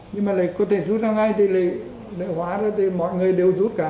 nhưng mà lại có thể rút ra ngay thì lại hóa ra thì mọi người đều rút cả